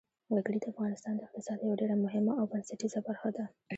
وګړي د افغانستان د اقتصاد یوه ډېره مهمه او بنسټیزه برخه ده.